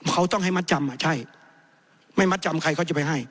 เขาต้องให้มัดจำอ่ะใช่ไม่มัดจำใครเขาจะไปให้